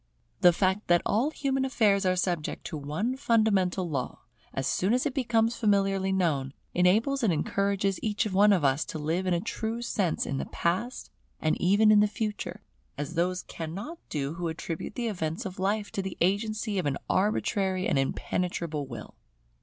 The fact that all human affairs are subject to one fundamental law, as soon as it becomes familiarly known, enables and encourages each one of us to live in a true sense in the Past and even in the Future; as those cannot do who attribute the events of life to the agency of an arbitrary and impenetrable Will.